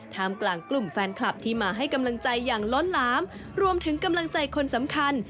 กลางกลุ่มแฟนคลับที่มาให้กำลังใจอย่างล้นหลามรวมถึงกำลังใจคนสำคัญ